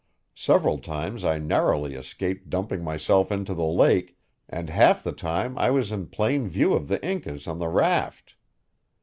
Several times I narrowly escaped dumping myself into the lake, and half the time I was in plain view of the Incas on the raft.